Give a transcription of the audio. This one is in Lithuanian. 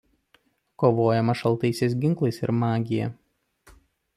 Kovojama šaltaisiais ginklais ir magija.